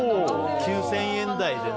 ９０００円台でね。